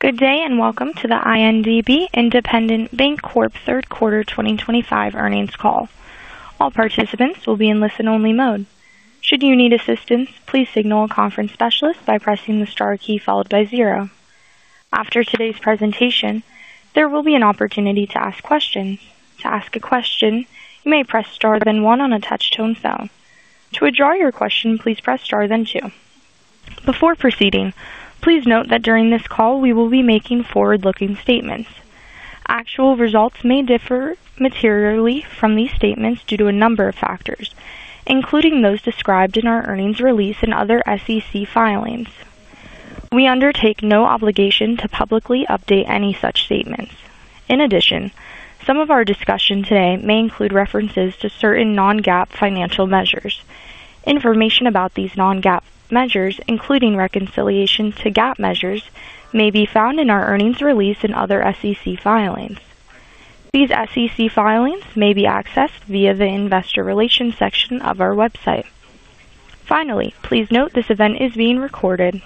Good day and welcome to the INDB Independent Bank Corp. Third Quarter 2025 earnings call. All participants will be in listen-only mode. Should you need assistance, please signal a conference specialist by pressing the star key followed by zero. After today's presentation, there will be an opportunity to ask questions. To ask a question, you may press star then one on a touch-tone cell. To withdraw your question, please press star then two. Before proceeding, please note that during this call, we will be making forward-looking statements. Actual results may differ materially from these statements due to a number of factors, including those described in our earnings release and other SEC filings. We undertake no obligation to publicly update any such statements. In addition, some of our discussion today may include references to certain non-GAAP financial measures. Information about these non-GAAP measures, including reconciliations to GAAP measures, may be found in our earnings release and other SEC filings. These SEC filings may be accessed via the Investor Relations section of our website. Finally, please note this event is being recorded.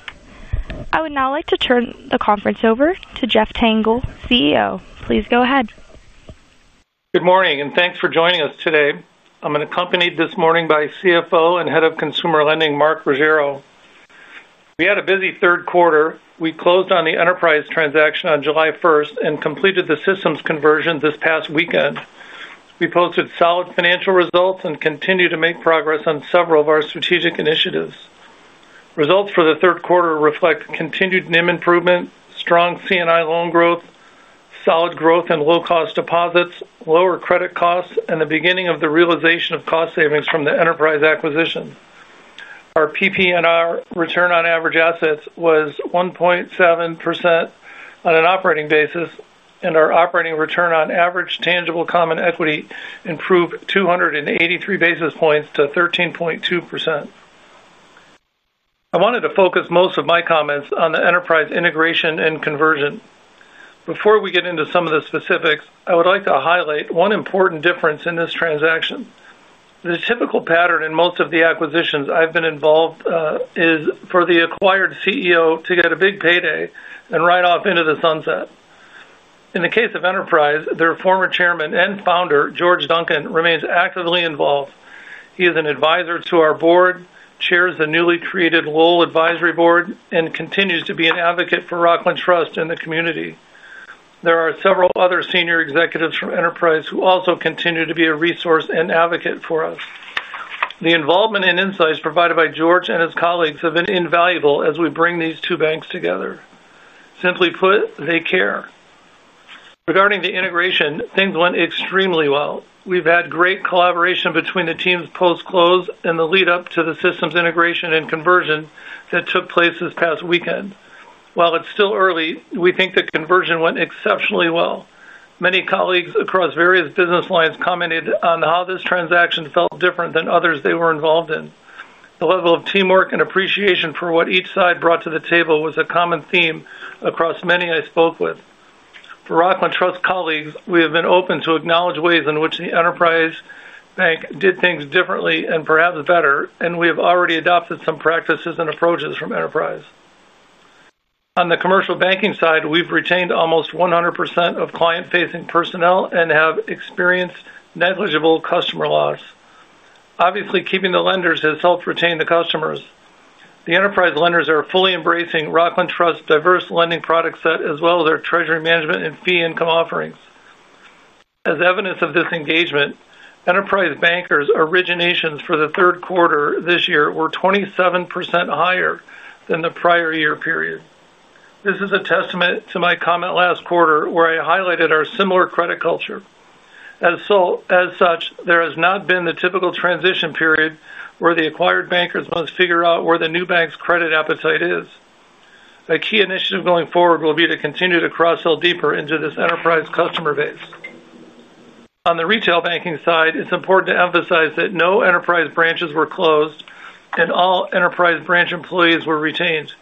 I would now like to turn the conference over to Jeff Tengel, CEO. Please go ahead. Good morning and thanks for joining us today. I'm accompanied this morning by CFO and Head of Consumer Lending, Mark Ruggiero. We had a busy third quarter. We closed on the Enterprise transaction on July 1st and completed the systems conversion this past weekend. We posted solid financial results and continue to make progress on several of our strategic initiatives. Results for the third quarter reflect continued NIM improvement, strong C&I loan growth, solid growth in low-cost deposits, lower credit costs, and the beginning of the realization of cost savings from the Enterprise acquisition. Our PP&R return on average assets was 1.7% on an operating basis, and our operating return on average tangible common equity improved 283 basis points to 13.2%. I wanted to focus most of my comments on the Enterprise integration and conversion. Before we get into some of the specifics, I would like to highlight one important difference in this transaction. The typical pattern in most of the acquisitions I've been involved in is for the acquired CEO to get a big payday and ride off into the sunset. In the case of Enterprise, their former chairman and founder, George Duncan, remains actively involved. He is an advisor to our board, chairs the newly created Lowell Advisory Board, and continues to be an advocate for Rockland Trust and the community. There are several other senior executives from Enterprise who also continue to be a resource and advocate for us. The involvement and insights provided by George and his colleagues have been invaluable as we bring these two banks together. Simply put, they care. Regarding the integration, things went extremely well. We've had great collaboration between the teams post-close and the lead-up to the systems integration and conversion that took place this past weekend. While it's still early, we think the conversion went exceptionally well. Many colleagues across various business lines commented on how this transaction felt different than others they were involved in. The level of teamwork and appreciation for what each side brought to the table was a common theme across many I spoke with. For Rockland Trust colleagues, we have been open to acknowledge ways in which the Enterprise Bank did things differently and perhaps better, and we have already adopted some practices and approaches from Enterprise. On the commercial banking side, we've retained almost 100% of client-facing personnel and have experienced negligible customer loss. Obviously, keeping the lenders has helped retain the customers. The Enterprise lenders are fully embracing Rockland Trust's diverse lending product set, as well as their treasury management and fee income offerings. As evidence of this engagement, Enterprise Bankers' originations for the third quarter this year were 27% higher than the prior year period. This is a testament to my comment last quarter, where I highlighted our similar credit culture. As such, there has not been the typical transition period where the acquired bankers must figure out where the new bank's credit appetite is. A key initiative going forward will be to continue to cross-sell deeper into this Enterprise customer base. On the retail banking side, it's important to emphasize that no Enterprise branches were closed and all Enterprise branch employees were retained.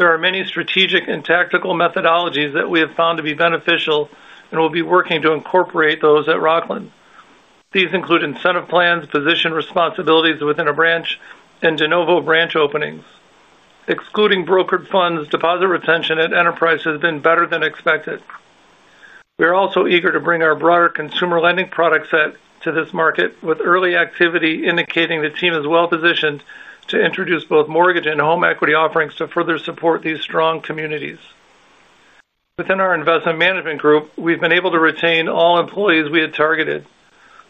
There are many strategic and tactical methodologies that we have found to be beneficial and will be working to incorporate those at Rockland. These include incentive plans, position responsibilities within a branch, and de novo branch openings. Excluding brokered funds, deposit retention at Enterprise has been better than expected. We are also eager to bring our broader consumer lending product set to this market, with early activity indicating the team is well-positioned to introduce both mortgage and home equity offerings to further support these strong communities. Within our investment management group, we've been able to retain all employees we had targeted.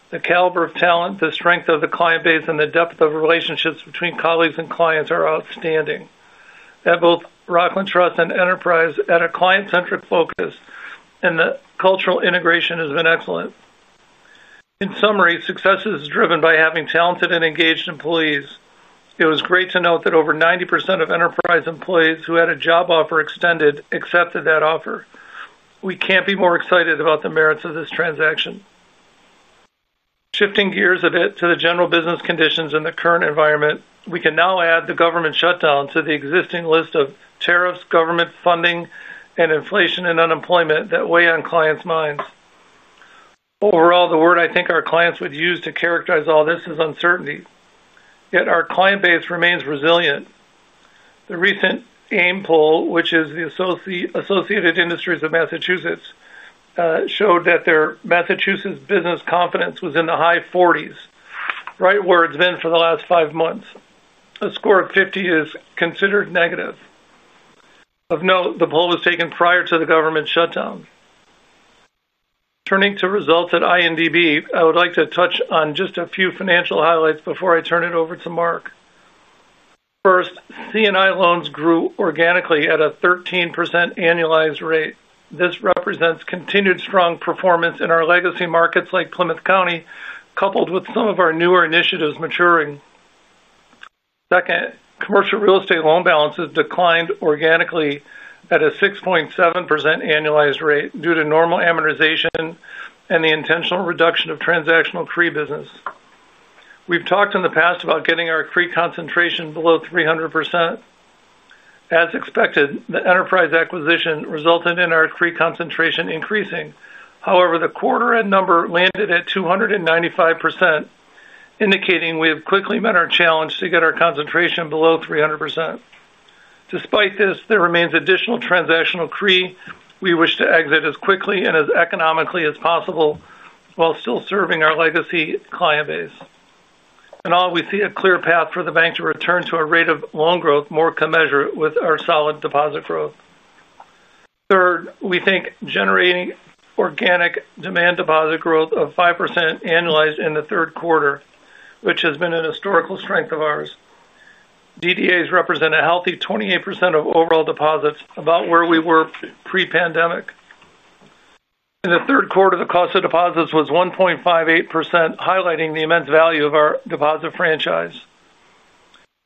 The caliber of talent, the strength of the client base, and the depth of relationships between colleagues and clients are outstanding. At both Rockland Trust and Enterprise, a client-centric focus and the cultural integration has been excellent. In summary, success is driven by having talented and engaged employees. It was great to note that over 90% of Enterprise employees who had a job offer extended accepted that offer. We can't be more excited about the merits of this transaction. Shifting gears a bit to the general business conditions in the current environment, we can now add the government shutdown to the existing list of tariffs, government funding, and inflation and unemployment that weigh on clients' minds. Overall, the word I think our clients would use to characterize all this is uncertainty. Yet our client base remains resilient. The recent AIM poll, which is the Associated Industries of Massachusetts, showed that their Massachusetts business confidence was in the high 40s, right where it's been for the last five months. A score of 50 is considered negative. Of note, the poll was taken prior to the government shutdown. Turning to results at INDB, I would like to touch on just a few financial highlights before I turn it over to Mark. First, C&I loans grew organically at a 13% annualized rate. This represents continued strong performance in our legacy markets like Plymouth County, coupled with some of our newer initiatives maturing. Second, commercial real estate loan balances declined organically at a 6.7% annualized rate due to normal amortization and the intentional reduction of transactional CRE business. We've talked in the past about getting our CRE concentration below 300%. As expected, the Enterprise acquisition resulted in our CRE concentration increasing. However, the quarter-end number landed at 295%, indicating we have quickly met our challenge to get our concentration below 300%. Despite this, there remains additional transactional CRE we wish to exit as quickly and as economically as possible while still serving our legacy client base. In all, we see a clear path for the bank to return to a rate of loan growth more commensurate with our solid deposit growth. Third, we think generating organic demand deposit growth of 5% annualized in the third quarter, which has been a historical strength of ours. DDAs represent a healthy 28% of overall deposits, about where we were pre-pandemic. In the third quarter, the cost of deposits was 1.58%, highlighting the immense value of our deposit franchise.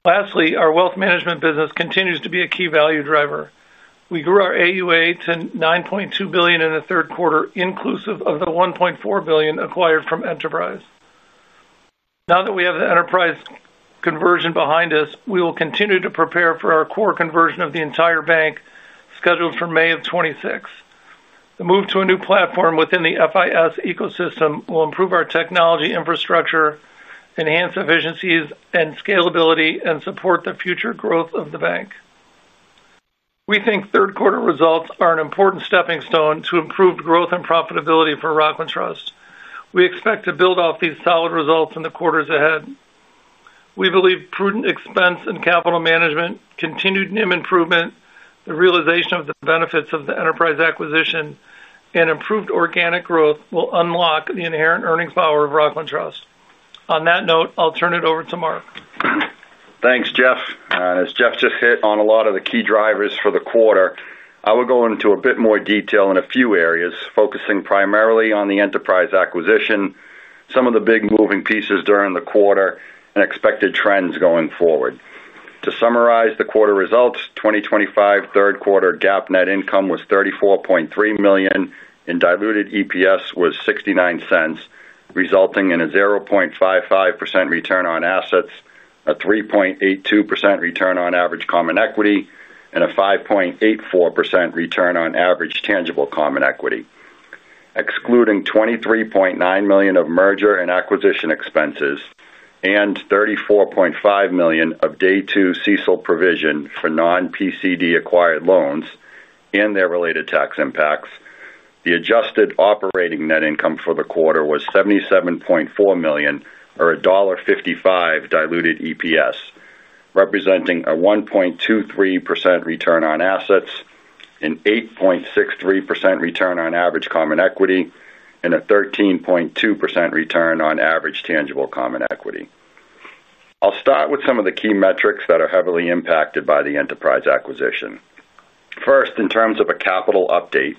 Lastly, our wealth management business continues to be a key value driver. We grew our AUA to $9.2 billion in the third quarter, inclusive of the $1.4 billion acquired from Enterprise. Now that we have the Enterprise conversion behind us, we will continue to prepare for our core conversion of the entire bank, scheduled for May of 2026. The move to a new platform within the FIS ecosystem will improve our technology infrastructure, enhance efficiencies and scalability, and support the future growth of the bank. We think third quarter results are an important stepping stone to improved growth and profitability for Rockland Trust. We expect to build off these solid results in the quarters ahead. We believe prudent expense and capital management, continued NIM improvement, the realization of the benefits of the Enterprise Bank acquisition, and improved organic growth will unlock the inherent earnings power of Rockland Trust. On that note, I'll turn it over to Mark. Thanks, Jeff. As Jeff just hit on a lot of the key drivers for the quarter, I will go into a bit more detail in a few areas, focusing primarily on the Enterprise acquisition, some of the big moving pieces during the quarter, and expected trends going forward. To summarize the quarter results, 2025 third quarter GAAP net income was $34.3 million, and diluted EPS was $0.69, resulting in a 0.55% return on assets, a 3.82% return on average common equity, and a 5.84% return on average tangible common equity, excluding $23.9 million of merger and acquisition expenses and $34.5 million of day-two CECL provision for non-PCD acquired loans and their related tax impacts. The adjusted operating net income for the quarter was $77.4 million, or $1.55 diluted EPS, representing a 1.23% return on assets, an 8.63% return on average common equity, and a 13.2% return on average tangible common equity. I'll start with some of the key metrics that are heavily impacted by the Enterprise acquisition. First, in terms of a capital update,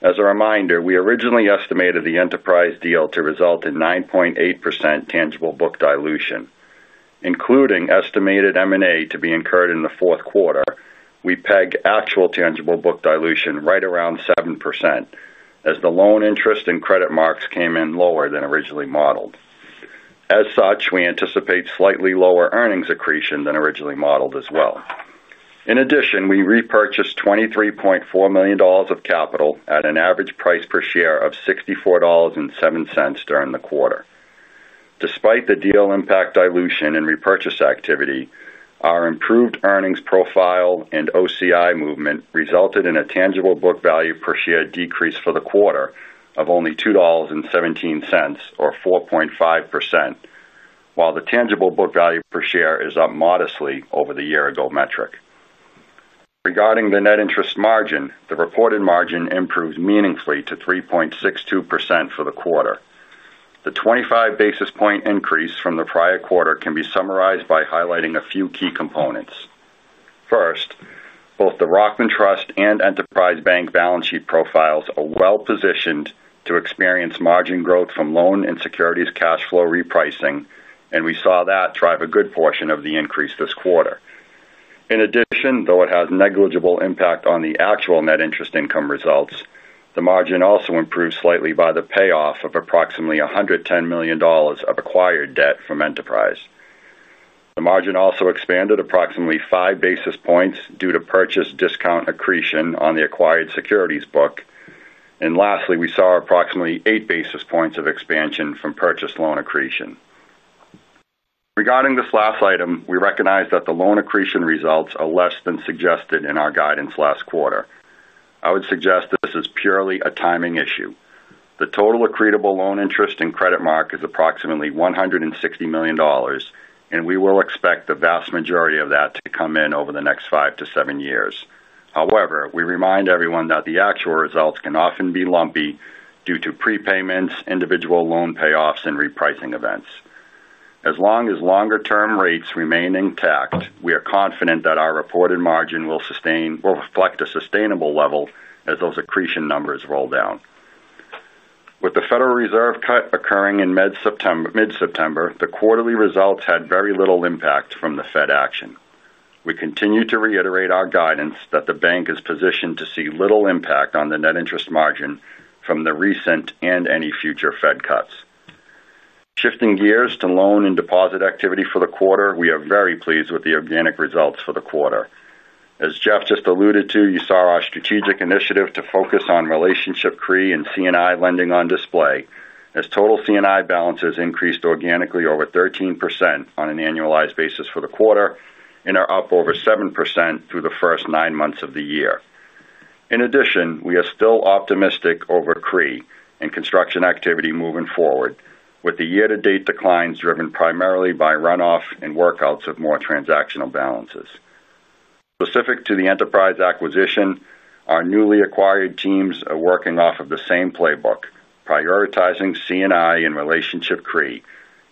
as a reminder, we originally estimated the Enterprise deal to result in 9.8% tangible book dilution, including estimated M&A to be incurred in the fourth quarter. We pegged actual tangible book dilution right around 7%, as the loan interest and credit marks came in lower than originally modeled. As such, we anticipate slightly lower earnings accretion than originally modeled as well. In addition, we repurchased $23.4 million of capital at an average price per share of $64.07 during the quarter. Despite the deal impact dilution and repurchase activity, our improved earnings profile and OCI movement resulted in a tangible book value per share decrease for the quarter of only $2.17, or 4.5%, while the tangible book value per share is up modestly over the year-ago metric. Regarding the net interest margin, the reported margin improved meaningfully to 3.62% for the quarter. The 25 basis point increase from the prior quarter can be summarized by highlighting a few key components. First, both the Rockland Trust and Enterprise Bank balance sheet profiles are well-positioned to experience margin growth from loan and securities cash flow repricing, and we saw that drive a good portion of the increase this quarter. In addition, though it has negligible impact on the actual net interest income results, the margin also improved slightly by the payoff of approximately $110 million of acquired debt from Enterprise. The margin also expanded approximately five basis points due to purchase accounting accretion on the acquired securities book. Lastly, we saw approximately eight basis points of expansion from purchase loan accretion. Regarding this last item, we recognize that the loan accretion results are less than suggested in our guidance last quarter. I would suggest this is purely a timing issue. The total accretable loan interest and credit mark is approximately $160 million, and we will expect the vast majority of that to come in over the next five to seven years. However, we remind everyone that the actual results can often be lumpy due to prepayments, individual loan payoffs, and repricing events. As long as longer-term rates remain intact, we are confident that our reported margin will reflect a sustainable level as those accretion numbers roll down. With the Federal Reserve cut occurring in mid-September, the quarterly results had very little impact from the Fed action. We continue to reiterate our guidance that the bank is positioned to see little impact on the net interest margin from the recent and any future Fed cuts. Shifting gears to loan and deposit activity for the quarter, we are very pleased with the organic results for the quarter. As Jeff just alluded to, you saw our strategic initiative to focus on relationship CRE and C&I lending on display, as total C&I balances increased organically over 13% on an annualized basis for the quarter and are up over 7% through the first nine months of the year. In addition, we are still optimistic over CRE and construction activity moving forward, with the year-to-date declines driven primarily by runoff and workouts of more transactional balances. Specific to the Enterprise Bank acquisition, our newly acquired teams are working off of the same playbook, prioritizing C&I and relationship CRE,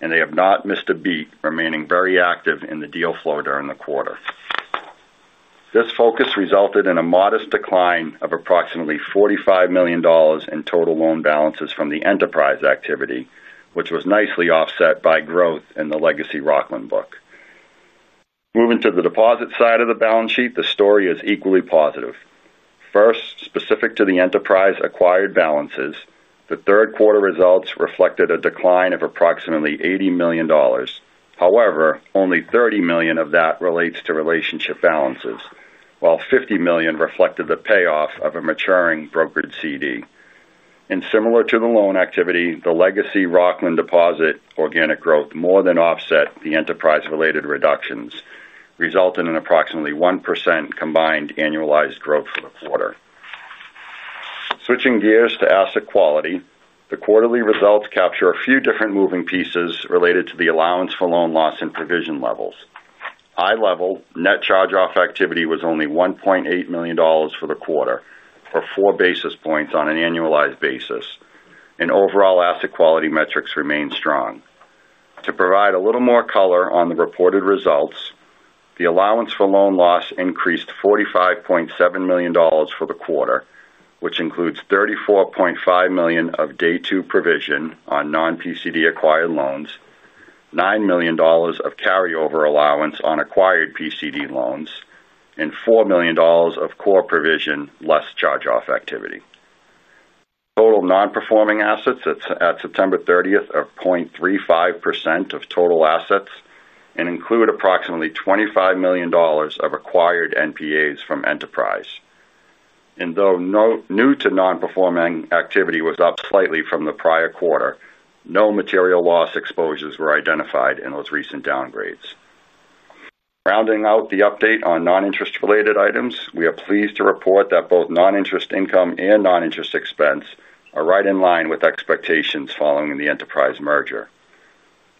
and they have not missed a beat, remaining very active in the deal flow during the quarter. This focus resulted in a modest decline of approximately $45 million in total loan balances from the Enterprise Bank activity, which was nicely offset by growth in the legacy Rockland book. Moving to the deposit side of the balance sheet, the story is equally positive. First, specific to the Enterprise Bank acquired balances, the third quarter results reflected a decline of approximately $80 million. However, only $30 million of that relates to relationship balances, while $50 million reflected the payoff of a maturing brokered CD. Similar to the loan activity, the legacy Rockland deposit organic growth more than offset the Enterprise-related reductions, resulting in approximately 1% combined annualized growth for the quarter. Switching gears to asset quality, the quarterly results capture a few different moving pieces related to the allowance for loan loss and provision levels. High-level net charge-off activity was only $1.8 million for the quarter, or 4 basis points on an annualized basis, and overall asset quality metrics remain strong. To provide a little more color on the reported results, the allowance for loan loss increased $45.7 million for the quarter, which includes $34.5 million of day-two provision on non-PCD acquired loans, $9 million of carryover allowance on acquired PCD loans, and $4 million of core provision less charge-off activity. Total non-performing assets at September 30th are 0.35% of total assets and include approximately $25 million of acquired NPAs from Enterprise Bank. Though new to non-performing activity was up slightly from the prior quarter, no material loss exposures were identified in those recent downgrades. Rounding out the update on non-interest-related items, we are pleased to report that both non-interest income and non-interest expense are right in line with expectations following the Enterprise Bank merger.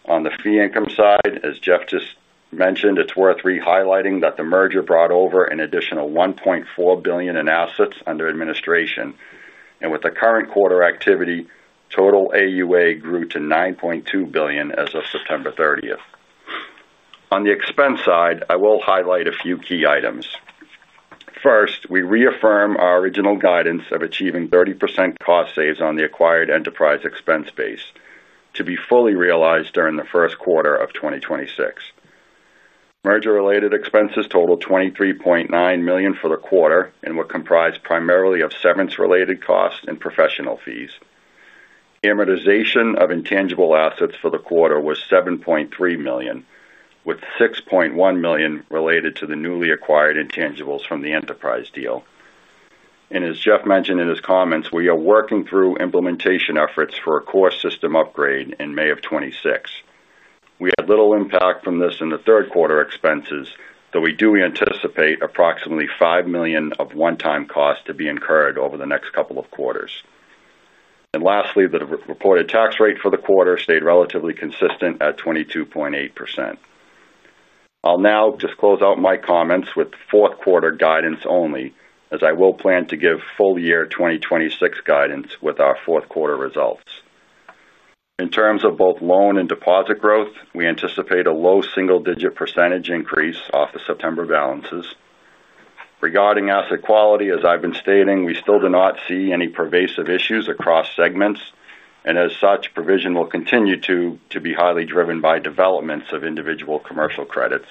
On the fee income side, as Jeff just mentioned, it's worth re-highlighting that the merger brought over an additional $1.4 billion in assets under administration. With the current quarter activity, total AUA grew to $9.2 billion as of September 30th. On the expense side, I will highlight a few key items. First, we reaffirm our original guidance of achieving 30% cost saves on the acquired Enterprise expense base to be fully realized during the first quarter of 2026. Merger-related expenses totaled $23.9 million for the quarter and were comprised primarily of severance-related costs and professional fees. The amortization of intangible assets for the quarter was $7.3 million, with $6.1 million related to the newly acquired intangibles from the Enterprise Bank deal. As Jeff mentioned in his comments, we are working through implementation efforts for a core system upgrade in May of 2026. We had little impact from this in the third quarter expenses, though we do anticipate approximately $5 million of one-time costs to be incurred over the next couple of quarters. Lastly, the reported tax rate for the quarter stayed relatively consistent at 22.8%. I'll now just close out my comments with fourth quarter guidance only, as I will plan to give full-year 2026 guidance with our fourth quarter results. In terms of both loan and deposit growth, we anticipate a low single-digit % increase off the September balances. Regarding asset quality, as I've been stating, we still do not see any pervasive issues across segments. As such, provision will continue to be highly driven by developments of individual commercial credits.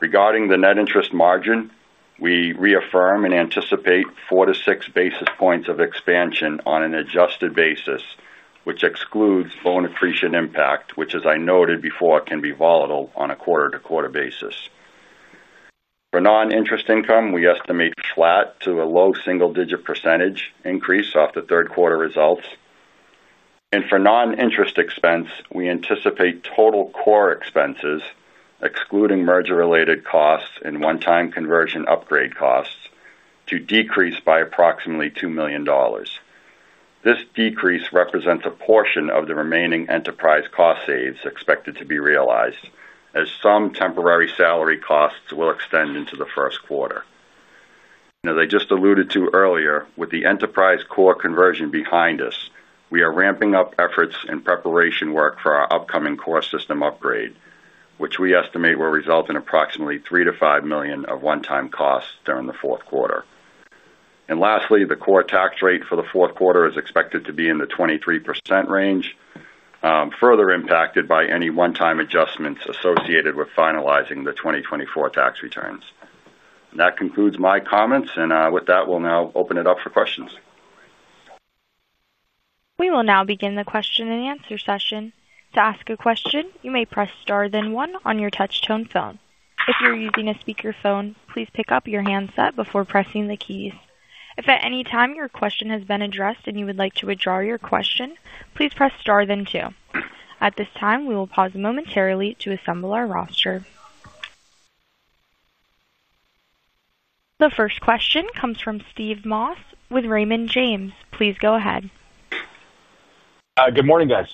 Regarding the net interest margin, we reaffirm and anticipate four to six basis points of expansion on an adjusted basis, which excludes loan accretion impact, which, as I noted before, can be volatile on a quarter-to-quarter basis. For non-interest income, we estimate flat to a low single-digit % increase off the third quarter results. For non-interest expense, we anticipate total core expenses, excluding merger-related costs and one-time conversion upgrade costs, to decrease by approximately $2 million. This decrease represents a portion of the remaining Enterprise cost saves expected to be realized, as some temporary salary costs will extend into the first quarter. As I just alluded to earlier, with the Enterprise core conversion behind us, we are ramping up efforts and preparation work for our upcoming core system upgrade, which we estimate will result in approximately $3 million - $5 million of one-time costs during the fourth quarter. Lastly, the core tax rate for the fourth quarter is expected to be in the 23% range, further impacted by any one-time adjustments associated with finalizing the 2024 tax returns. That concludes my comments. With that, we'll now open it up for questions. We will now begin the question and answer session. To ask a question, you may press star then one on your touch-tone phone. If you're using a speaker phone, please pick up your handset before pressing the keys. If at any time your question has been addressed and you would like to withdraw your question, please press star then two. At this time, we will pause momentarily to assemble our roster. The first question comes from Steve Moss with Raymond James. Please go ahead. Good morning, guys.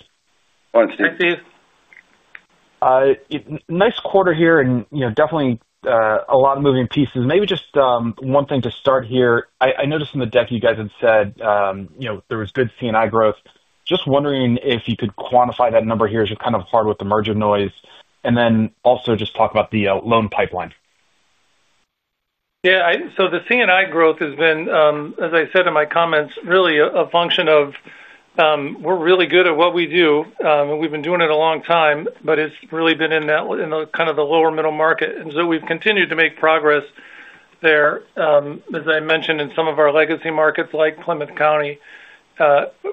Morning, Steve. Hi, Steve. Nice quarter here and definitely a lot of moving pieces. Maybe just one thing to start here. I noticed in the deck you guys had said there was good C&I growth. Just wondering if you could quantify that number here. It's just kind of hard with the merger noise. Also, just talk about the loan pipeline. The commercial and industrial (C&I) growth has been, as I said in my comments, really a function of we're really good at what we do. We've been doing it a long time, but it's really been in kind of the lower middle market. We've continued to make progress there. As I mentioned, in some of our legacy markets like Plymouth County,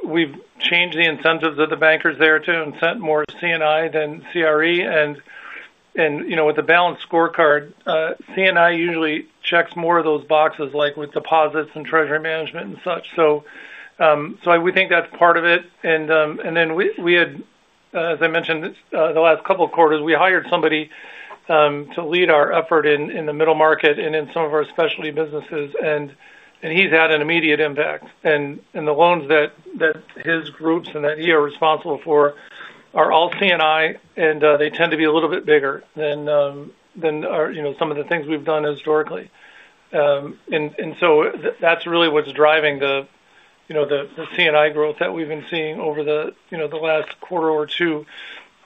we've changed the incentives of the bankers there too and sent more C&I than commercial real estate (CRE). With the balanced scorecard, C&I usually checks more of those boxes, like with deposits and treasury management and such. We think that's part of it. We had, as I mentioned, the last couple of quarters, hired somebody to lead our effort in the middle market and in some of our specialty businesses. He's had an immediate impact. The loans that his groups and that he is responsible for are all C&I, and they tend to be a little bit bigger than some of the things we've done historically. That's really what's driving the C&I growth that we've been seeing over the last quarter or two.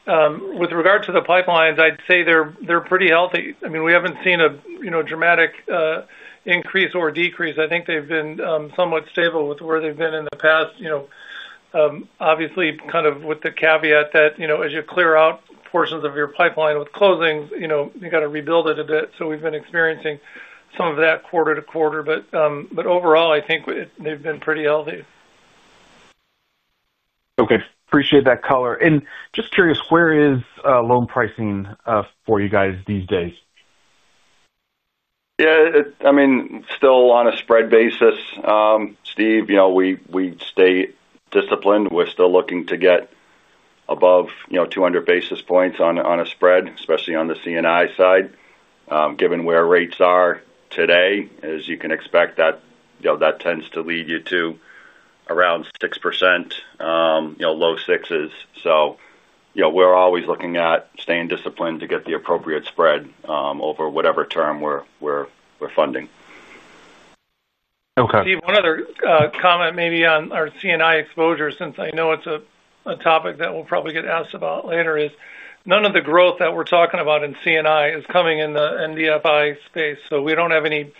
With regard to the pipelines, I'd say they're pretty healthy. We haven't seen a dramatic increase or decrease. I think they've been somewhat stable with where they've been in the past. Obviously, with the caveat that as you clear out portions of your pipeline with closing, you got to rebuild it a bit. We've been experiencing some of that quarter to quarter. Overall, I think they've been pretty healthy. Okay. Appreciate that color. Just curious, where is loan pricing for you guys these days? Yeah. I mean, still on a spread basis, Steve, you know we stay disciplined. We're still looking to get above 200 basis points on a spread, especially on the commercial and industrial side. Given where rates are today, as you can expect, that tends to lead you to around 6%, low 6s. You know we're always looking at staying disciplined to get the appropriate spread over whatever term we're funding. Okay. Steve, one other comment maybe on our C&I exposure, since I know it's a topic that we'll probably get asked about later, is none of the growth that we're talking about in C&I is coming in the NDFI space. We don't have any,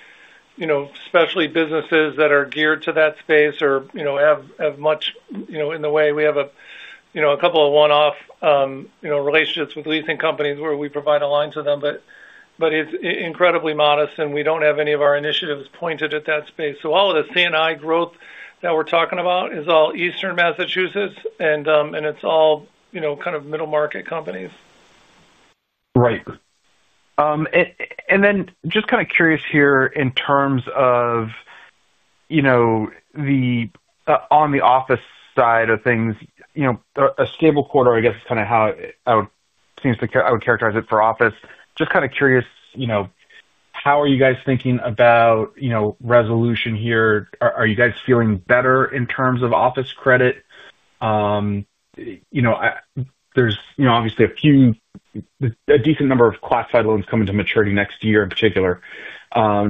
you know, especially businesses that are geared to that space or, you know, have much in the way. We have a couple of one-off relationships with leasing companies where we provide a line to them, but it's incredibly modest, and we don't have any of our initiatives pointed at that space. All of the C&I growth that we're talking about is all Eastern Massachusetts, and it's all kind of middle market companies. Right. Just kind of curious here in terms of on the office side of things, you know, a stable quarter, I guess, is kind of how I would characterize it for office. Just kind of curious, you know, how are you guys thinking about, you know, resolution here? Are you guys feeling better in terms of office credit? You know, there's obviously a few, a decent number of classified loans coming to maturity next year in particular.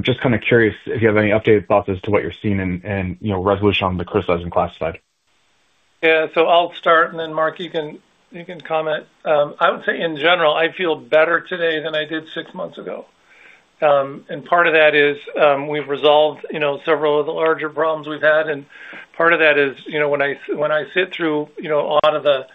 Just kind of curious if you have any updated thoughts as to what you're seeing and, you know, resolution on the criticized and classified. Yeah. I'll start, and then Mark, you can comment. I would say in general, I feel better today than I did six months ago. Part of that is we've resolved several of the larger problems we've had. Part of that is, when I sit through a lot of the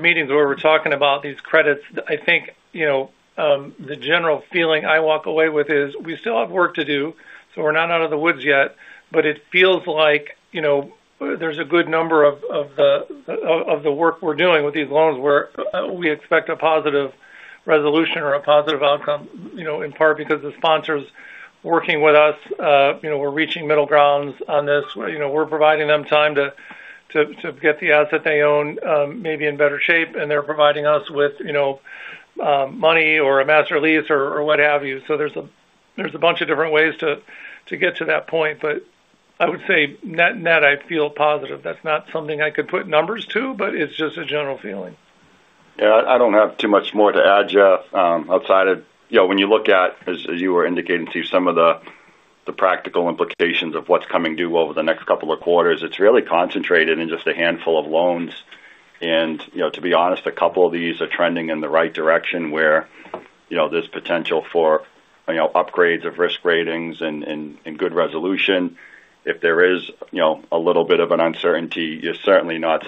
meetings where we're talking about these credits, the general feeling I walk away with is we still have work to do. We're not out of the woods yet. It feels like there's a good number of the work we're doing with these loans where we expect a positive resolution or a positive outcome, in part because the sponsors are working with us. We're reaching middle grounds on this. We're providing them time to get the asset they own maybe in better shape, and they're providing us with money or a master lease or what have you. There's a bunch of different ways to get to that point. I would say net-net, I feel positive. That's not something I could put numbers to, but it's just a general feeling. Yeah. I don't have too much more to add, Jeff. Outside of, you know, when you look at, as you were indicating, Steve, some of the practical implications of what's coming due over the next couple of quarters, it's really concentrated in just a handful of loans. To be honest, a couple of these are trending in the right direction where there's potential for upgrades of risk ratings and good resolution. If there is a little bit of an uncertainty, you're certainly not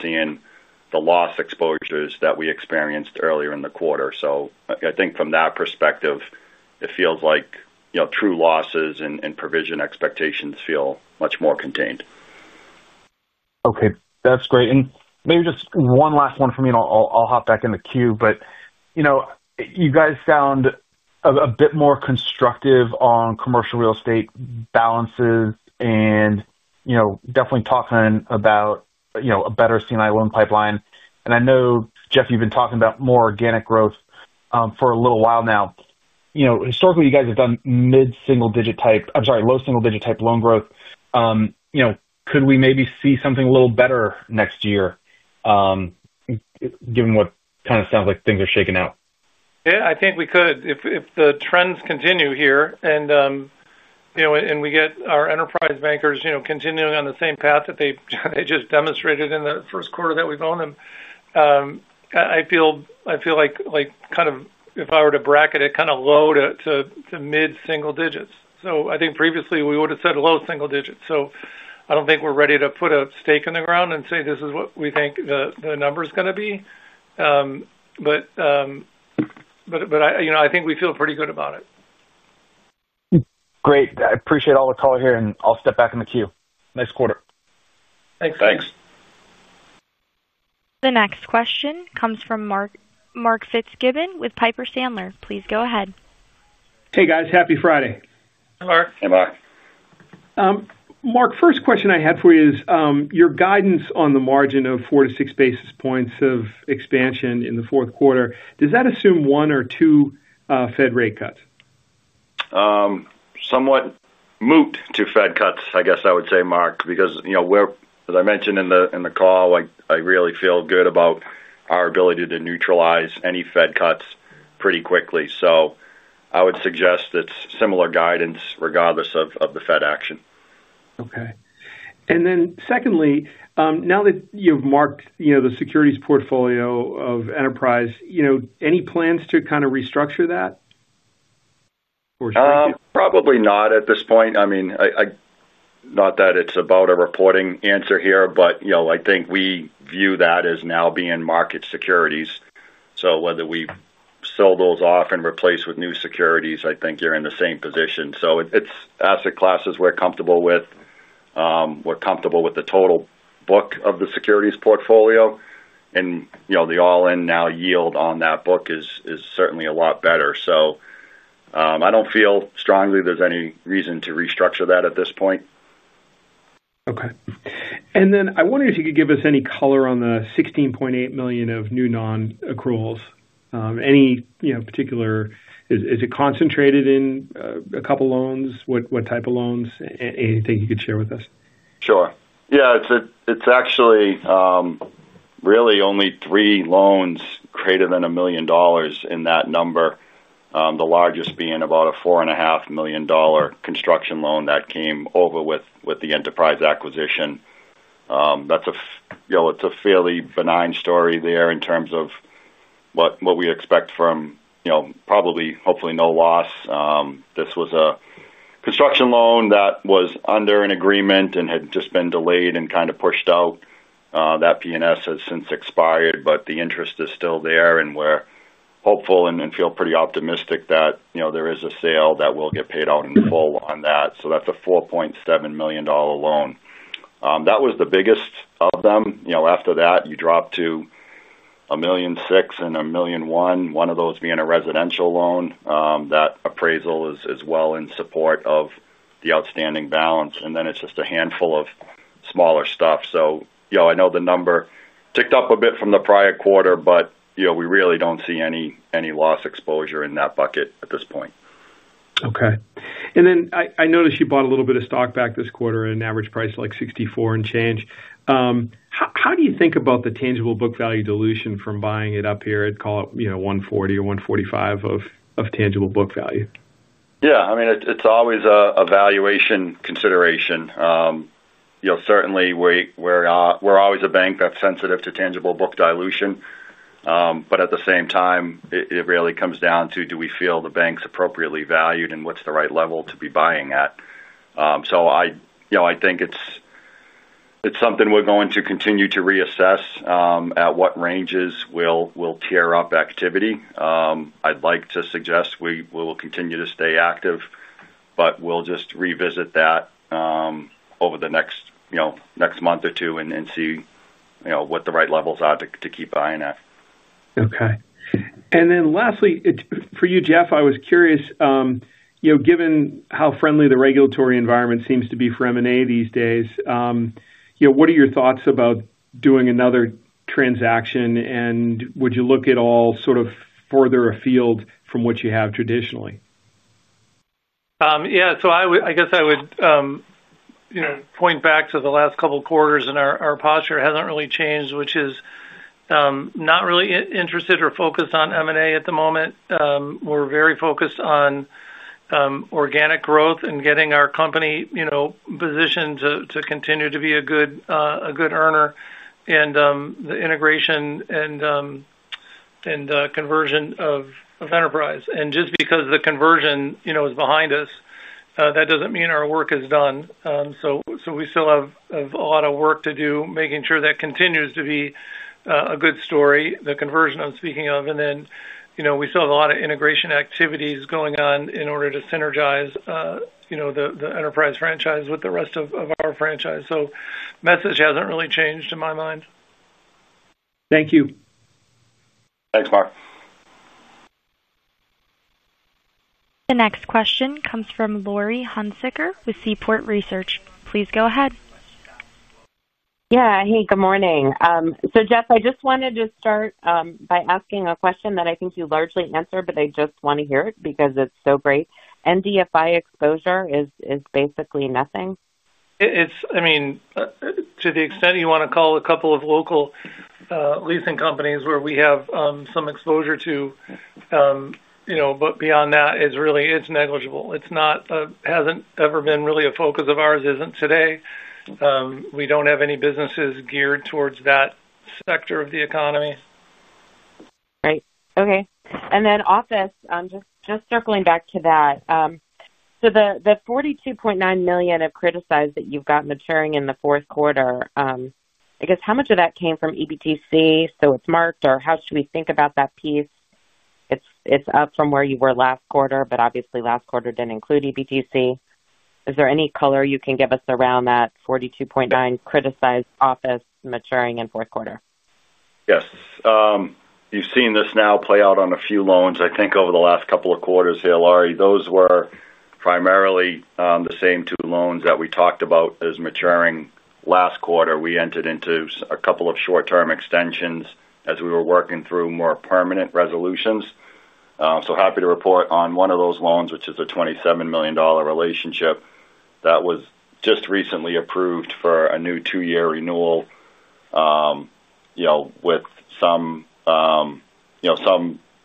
seeing the loss exposures that we experienced earlier in the quarter. I think from that perspective, it feels like true losses and provision expectations feel much more contained. Okay. That's great. Maybe just one last one for me, and I'll hop back in the queue. You guys sound a bit more constructive on commercial real estate balances and definitely talking about a better commercial and industrial loan pipeline. I know, Jeff, you've been talking about more organic growth for a little while now. Historically, you guys have done low single-digit type loan growth. Could we maybe see something a little better next year, given what kind of sounds like things are shaking out? Yeah. I think we could if the trends continue here and we get our Enterprise Bankers continuing on the same path that they just demonstrated in the first quarter that we've owned them. I feel like if I were to bracket it kind of low to mid-single digits. I think previously we would have said low single digits. I don't think we're ready to put a stake in the ground and say this is what we think the number is going to be, but I think we feel pretty good about it. Great. I appreciate all the color here, and I'll step back in the queue. Nice quarter. Thanks, Steve. Thanks. The next question comes from Mark Fitzgibbon with Piper Sandler. Please go ahead. Hey, guys. Happy Friday. Hey, Mark. Hey, Mark. Mark, first question I had for you is your guidance on the margin of 4 - 6 basis points of expansion in the fourth quarter. Does that assume one or two Fed rate cuts? Somewhat moot to Fed cuts, I guess I would say, Mark, because, you know, as I mentioned in the call, I really feel good about our ability to neutralize any Fed cuts pretty quickly. I would suggest that's similar guidance regardless of the Fed action. Okay. Now that you've marked the securities portfolio of Enterprise, you know, any plans to kind of restructure that or shrink it? Probably not at this point. I mean, not that it's about a reporting answer here, but I think we view that as now being market securities. Whether we sell those off and replace with new securities, I think you're in the same position. It's asset classes we're comfortable with. We're comfortable with the total book of the securities portfolio, and the all-in now yield on that book is certainly a lot better. I don't feel strongly there's any reason to restructure that at this point. Okay. I wonder if you could give us any color on the $16.8 million of new non-accruals. Any, you know, particular, is it concentrated in a couple of loans? What type of loans? Anything you could share with us? Sure. Yeah. It's actually really only three loans greater than $1 million in that number, the largest being about a $4.5 million construction loan that came over with the Enterprise acquisition. It's a fairly benign story there in terms of what we expect from, you know, probably hopefully no loss. This was a construction loan that was under an agreement and had just been delayed and kind of pushed out. That P&S has since expired, but the interest is still there. We're hopeful and feel pretty optimistic that there is a sale that will get paid out in full on that. That's a $4.7 million loan. That was the biggest of them. After that, you drop to $1.6 million and $1.1 million, one of those being a residential loan. That appraisal is as well in support of the outstanding balance. Then it's just a handful of smaller stuff. I know the number ticked up a bit from the prior quarter, but we really don't see any loss exposure in that bucket at this point. Okay. I noticed you bought a little bit of stock back this quarter at an average price like $64 and change. How do you think about the tangible book value dilution from buying it up here at, call it, you know, 140 or 145% of tangible book value? Yeah. I mean, it's always a valuation consideration. Certainly, we're always a bank that's sensitive to tangible book dilution, but at the same time, it really comes down to do we feel the bank's appropriately valued and what's the right level to be buying at. I think it's something we're going to continue to reassess, at what ranges we'll tear up activity. I'd like to suggest we will continue to stay active, but we'll just revisit that over the next month or two and see what the right levels are to keep buying at. Okay. Lastly, for you, Jeff, I was curious, given how friendly the regulatory environment seems to be for M&A these days, what are your thoughts about doing another transaction? Would you look at all sort of further afield from what you have traditionally? Yeah. I guess I would point back to the last couple of quarters, and our posture hasn't really changed, which is not really interested or focused on M&A at the moment. We're very focused on organic growth and getting our company positioned to continue to be a good earner and the integration and conversion of Enterprise. Just because the conversion is behind us, that doesn't mean our work is done. We still have a lot of work to do making sure that continues to be a good story, the conversion I'm speaking of. We still have a lot of integration activities going on in order to synergize the Enterprise franchise with the rest of our franchise. The message hasn't really changed in my mind. Thank you. Thanks, Mark. The next question comes from Laurie Hunsicker with Seaport Research. Please go ahead. Yeah, hey, good morning. Jeff, I just wanted to start by asking a question that I think you largely answered, but I just want to hear it because it's so great. NDFI exposure is basically nothing? To the extent you want to call a couple of local leasing companies where we have some exposure, but beyond that, it's really negligible. It hasn't ever been really a focus of ours, isn't today. We don't have any businesses geared towards that sector of the economy. Right. Okay. Circling back to office, the $42.9 million of criticized that you've got maturing in the fourth quarter, how much of that came from Enterprise Bank? It's marked, or how should we think about that piece? It's up from where you were last quarter, but obviously last quarter didn't include Enterprise Bank. Is there any color you can give us around that $42.9 million criticized office maturing in the fourth quarter? Yes. You've seen this now play out on a few loans, I think, over the last couple of quarters, Hillary. Those were primarily the same two loans that we talked about as maturing last quarter. We entered into a couple of short-term extensions as we were working through more permanent resolutions. Happy to report on one of those loans, which is a $27 million relationship that was just recently approved for a new two-year renewal, with some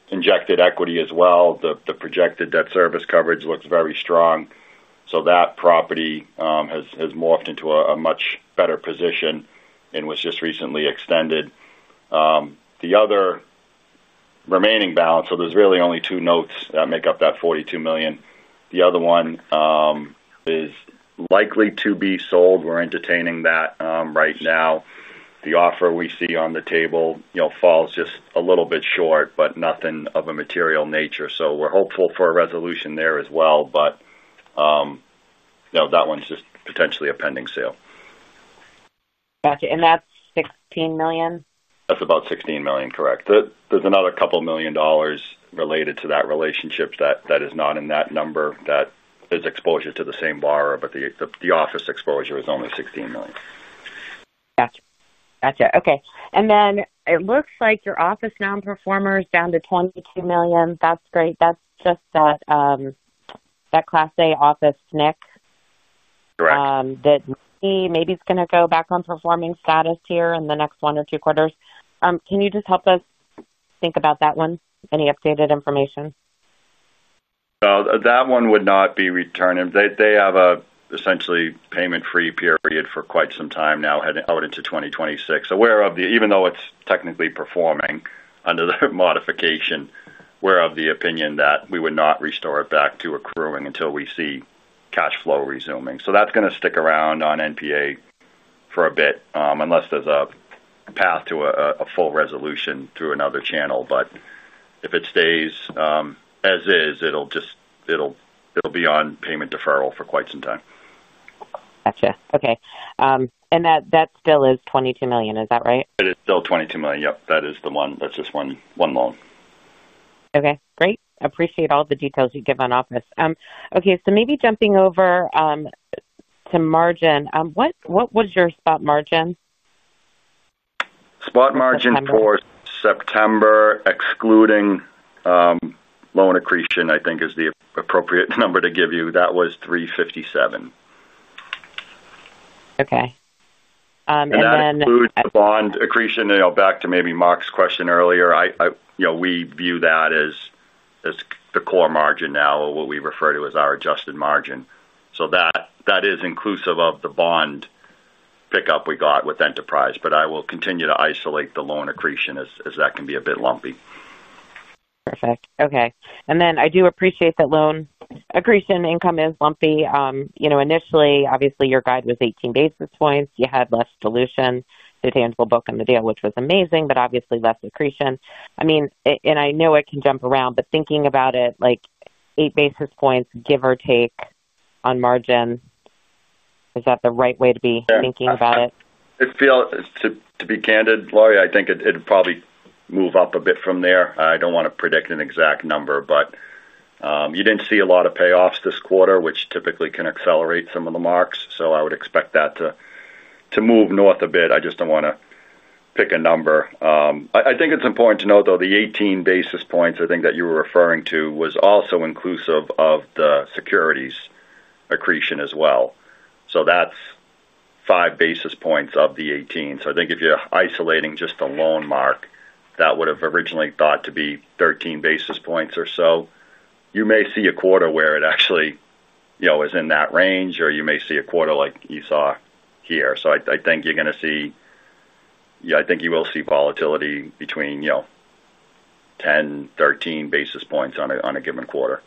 injected equity as well. The projected debt service coverage looks very strong. That property has morphed into a much better position and was just recently extended. The other remaining balance, so there's really only two notes that make up that $42 million. The other one is likely to be sold. We're entertaining that right now. The offer we see on the table falls just a little bit short, but nothing of a material nature. We're hopeful for a resolution there as well. That one's just potentially a pending sale. Gotcha. That's $16 million? That's about $16 million, correct. There's another couple million dollars related to that relationship that is not in that number, that is exposure to the same borrower, but the office exposure is only $16 million. Gotcha. Okay. It looks like your office non-performers are down to $22 million. That's great. That's just that class A office nick. Correct. That maybe is going to go back on performing status here in the next one or two quarters. Can you just help us think about that one? Any updated information? That one would not be returning. They have essentially a payment-free period for quite some time now heading out into 2026. Aware of the, even though it's technically performing under the modification, we're of the opinion that we would not restore it back to accruing until we see cash flow resuming. That's going to stick around on NPA for a bit, unless there's a path to a full resolution through another channel. If it stays as is, it'll be on payment deferral for quite some time. Gotcha. Okay, and that still is $22 million. Is that right? It is still $22 million. Yep, that is the one. That's just one loan. Okay. Great. I appreciate all the details you give on office. Okay. Maybe jumping over to margin, what was your spot margin? Spot margin for September, excluding loan accretion, I think is the appropriate number to give you. That was 357. Okay, then. That includes bond accretion, back to maybe Mark's question earlier. We view that as the core margin now, or what we refer to as our adjusted margin. That is inclusive of the bond pickup we got with Enterprise. I will continue to isolate the loan accretion as that can be a bit lumpy. Perfect. Okay. I do appreciate that loan accretion income is lumpy. Initially, obviously, your guide was 18 basis points. You had less dilution to the tangible book in the deal, which was amazing, but obviously less accretion. I know it can jump around, but thinking about it, like 8 basis points, give or take on margin, is that the right way to be thinking about it? To be candid, Lori, I think it'd probably move up a bit from there. I don't want to predict an exact number, but you didn't see a lot of payoffs this quarter, which typically can accelerate some of the marks. I would expect that to move north a bit. I just don't want to pick a number. I think it's important to note, though, the 18 basis points I think that you were referring to was also inclusive of the securities accretion as well. That's 5 basis points of the 18. If you're isolating just the loan mark, that would have originally thought to be 13 basis points or so. You may see a quarter where it actually is in that range, or you may see a quarter like you saw here. I think you're going to see, I think you will see volatility between 10, 13 basis points on a given quarter,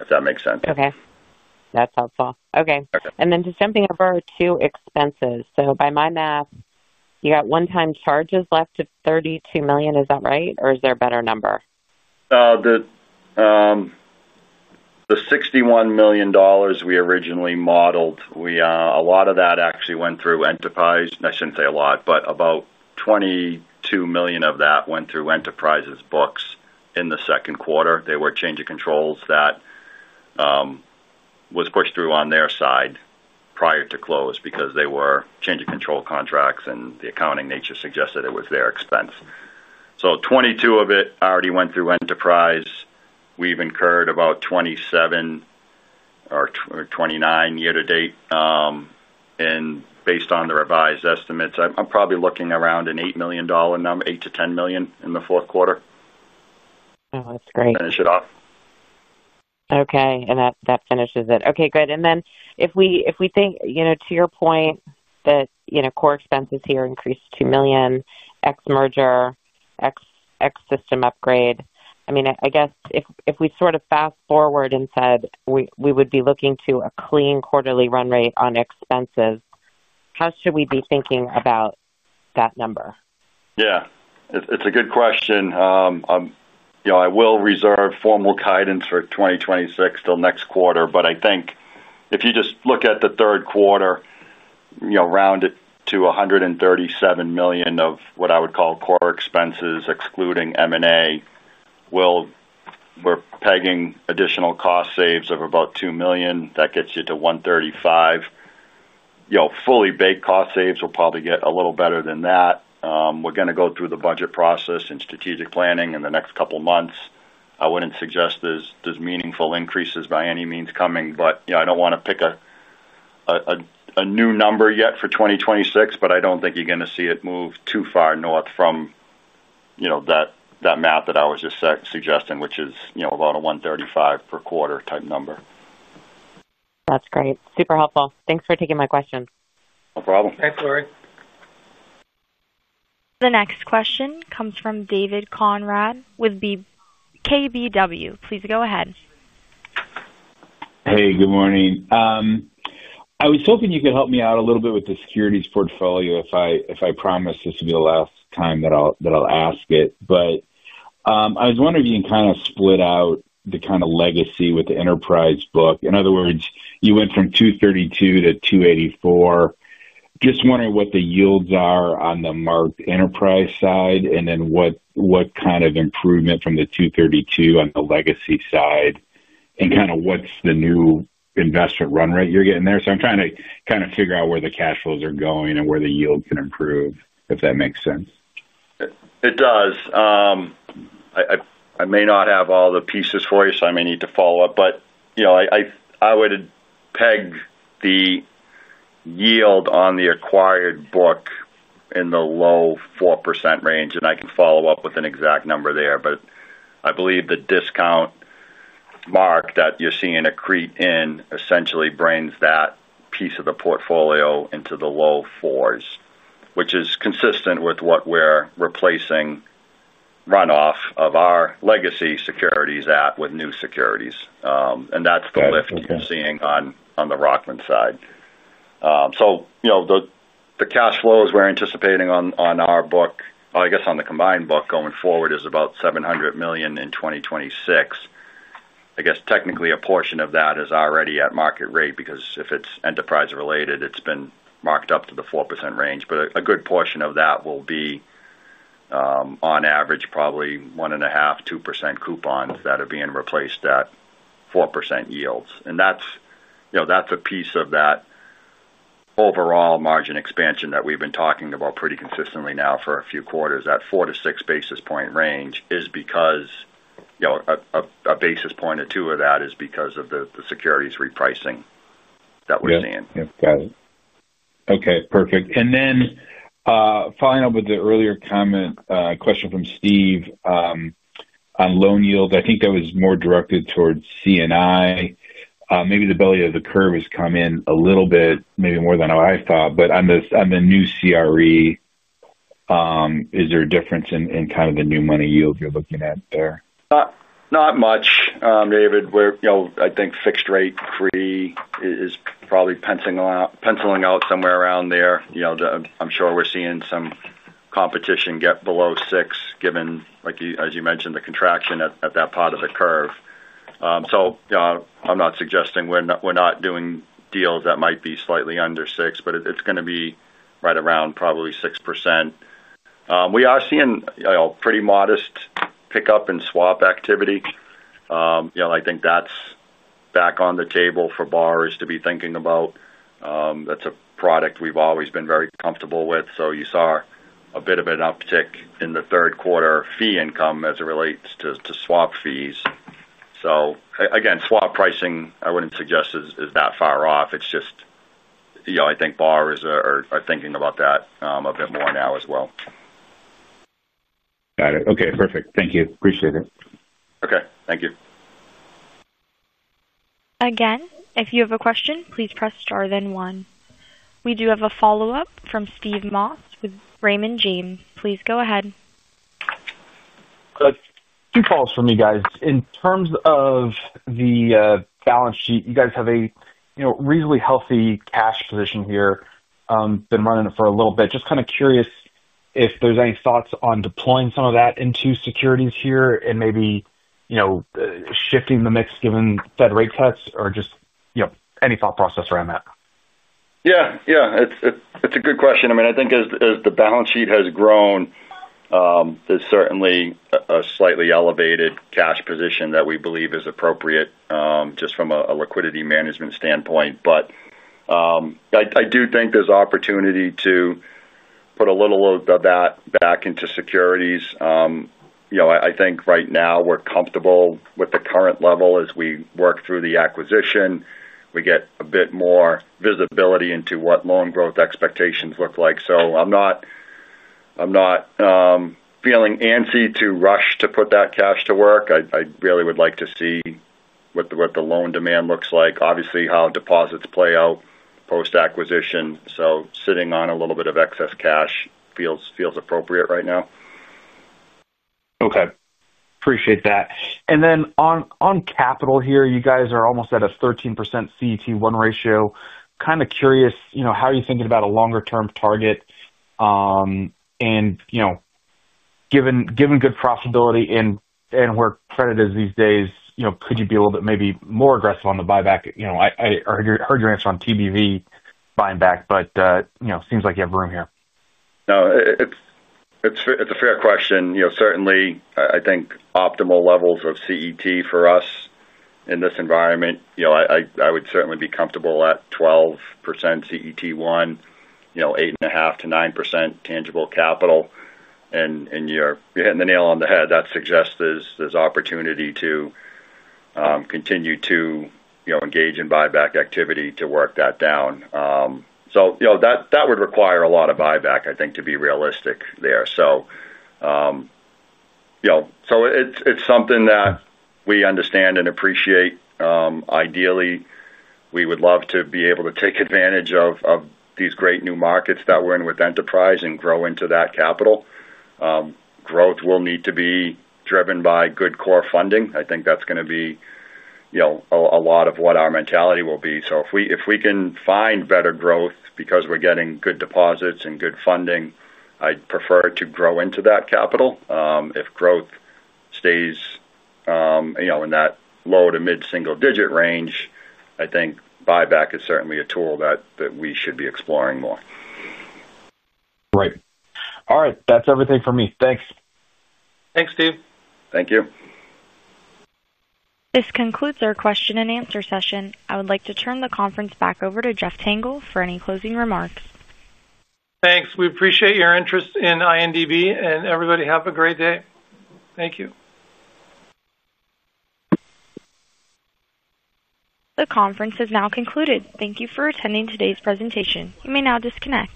if that makes sense. Okay. That's helpful. Okay, just jumping over to expenses. By my math, you got one-time charges left of $32 million. Is that right, or is there a better number? The $61 million we originally modeled, a lot of that actually went through Enterprise. I shouldn't say a lot, but about $22 million of that went through Enterprise's books in the second quarter. They were changing controls that was pushed through on their side prior to close because they were changing control contracts, and the accounting nature suggested it was their expense. So $22 million of it already went through Enterprise. We've incurred about $27 or $29 million year-to-date. Based on the revised estimates, I'm probably looking around an $8 million number, $8 to $10 million in the fourth quarter. Oh, that's great. Finish it off. Okay. That finishes it. Good. If we think, to your point, that core expenses here increased $2 million, excluding merger and system upgrade, I mean, if we sort of fast forward and said we would be looking to a clean quarterly run rate on expenses, how should we be thinking about that number? Yeah. It's a good question. I will reserve formal guidance for 2026 till next quarter. If you just look at the third quarter, round it to $137 million of what I would call core expenses, excluding M&A. We're pegging additional cost saves of about $2 million. That gets you to $135 million. Fully baked cost saves will probably get a little better than that. We're going to go through the budget process and strategic planning in the next couple of months. I wouldn't suggest there's meaningful increases by any means coming, but I don't want to pick a new number yet for 2026. I don't think you're going to see it move too far north from that math that I was just suggesting, which is about a $135 million per quarter type number. That's great. Super helpful. Thanks for taking my question. No problem. Thanks, Lori. The next question comes from David Konrad with KBW. Please go ahead. Hey, good morning. I was hoping you could help me out a little bit with the securities portfolio if I promise this will be the last time that I'll ask it. I was wondering if you can kind of split out the kind of legacy with the Enterprise book. In other words, you went from $232 million - $284 million. Just wondering what the yields are on the marked Enterprise side and then what kind of improvement from the $232 million on the legacy side and what's the new investment run rate you're getting there. I'm trying to kind of figure out where the cash flows are going and where the yield can improve, if that makes sense. It does. I may not have all the pieces for you, so I may need to follow up. I would peg the yield on the acquired book in the low 4% range, and I can follow up with an exact number there. I believe the discount mark that you're seeing accrete in essentially brings that piece of the portfolio into the low 4s, which is consistent with what we're replacing runoff of our legacy securities at with new securities. That's the lift you're seeing on the Rockland side. The cash flows we're anticipating on our book, I guess on the combined book going forward, is about $700 million in 2026. Technically, a portion of that is already at market rate because if it's Enterprise-related, it's been marked up to the 4% range. A good portion of that will be, on average, probably 1.5%, 2% coupons that are being replaced at 4% yields. That's a piece of that overall margin expansion that we've been talking about pretty consistently now for a few quarters. That four to six basis point range is because a basis point or two of that is because of the securities repricing that we're seeing. Yeah. Got it. Okay. Perfect. Following up with the earlier comment, question from Steve, on loan yields, I think that was more directed towards C&I. Maybe the belly of the curve has come in a little bit, maybe more than I thought. On the new CRE, is there a difference in the new money yield you're looking at there? Not much, David. I think fixed rate free is probably penciling out somewhere around there. I'm sure we're seeing some competition get below 6%, given, like you mentioned, the contraction at that part of the curve. I'm not suggesting we're not doing deals that might be slightly under 6%, but it's going to be right around probably 6%. We are seeing pretty modest pickup in swap activity. I think that's back on the table for borrowers to be thinking about. That's a product we've always been very comfortable with. You saw a bit of an uptick in the third quarter fee income as it relates to swap fees. Swap pricing, I wouldn't suggest is that far off. I think borrowers are thinking about that a bit more now as well. Got it. Okay. Perfect. Thank you. Appreciate it. Okay, thank you. Again, if you have a question, please press star then one. We do have a follow-up from Steve Moss with Raymond James. Please go ahead. In terms of the balance sheet, you guys have a reasonably healthy cash position here. Just kind of curious if there's any thoughts on deploying some of that into securities here and maybe shifting the mix given Fed rate cuts or just any thought process around that. Yeah. It's a good question. I mean, I think as the balance sheet has grown, there's certainly a slightly elevated cash position that we believe is appropriate, just from a liquidity management standpoint. I do think there's opportunity to put a little of that back into securities. I think right now we're comfortable with the current level as we work through the acquisition. We get a bit more visibility into what loan growth expectations look like. I'm not feeling antsy to rush to put that cash to work. I really would like to see what the loan demand looks like. Obviously, how deposits play out post-acquisition. Sitting on a little bit of excess cash feels appropriate right now. Okay. Appreciate that. On capital here, you guys are almost at a 13% CET1 ratio. Kind of curious, you know, how are you thinking about a longer-term target? You know, given good profitability and where credit is these days, you know, could you be a little bit maybe more aggressive on the buyback? I heard your answer on TBV buying back, but, you know, it seems like you have room here. No, it's a fair question. Certainly, I think optimal levels of CET1 for us in this environment, I would certainly be comfortable at 12% CET1, 8.5% - 9% tangible capital. You're hitting the nail on the head. That suggests there's opportunity to continue to engage in buyback activity to work that down. That would require a lot of buyback, I think, to be realistic there. It's something that we understand and appreciate. Ideally, we would love to be able to take advantage of these great new markets that we're in with Enterprise and grow into that capital. Growth will need to be driven by good core funding. I think that's going to be a lot of what our mentality will be. If we can find better growth because we're getting good deposits and good funding, I'd prefer to grow into that capital. If growth stays in that low to mid-single-digit range, I think buyback is certainly a tool that we should be exploring more. All right. That's everything for me. Thanks. Thanks, Steve. Thank you. This concludes our question and answer session. I would like to turn the conference back over to Jeff Tengel for any closing remarks. Thanks. We appreciate your interest in INDB, and everybody have a great day. Thank you. The conference is now concluded. Thank you for attending today's presentation. You may now disconnect.